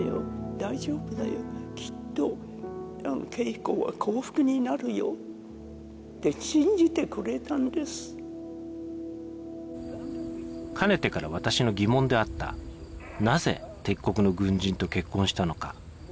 大丈夫だよきっとよって信じてくれたんですかねてから私の疑問であったなぜ敵国の軍人と結婚したのか？